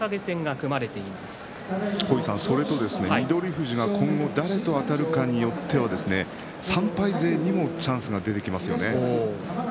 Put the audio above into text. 富士が今後誰とあたるかによって３敗勢にもチャンスが出てきますよね。